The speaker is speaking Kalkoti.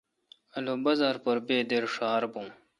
للو بازار پر بے دیر ݭار بھون۔